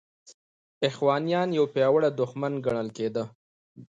هونیان یو پیاوړی دښمن ګڼل کېده.